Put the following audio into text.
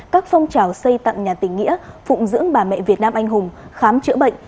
các phong trào xây tặng nhà tình nghĩa phụng dưỡng bà mẹ việt nam anh hùng khám chữa bệnh